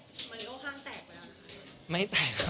ทำไมโอ้ห้างแตกแล้ว